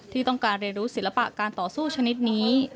ที่ต้องการเรียนรู้ศิลปะการต่อสู้ชนิดนี้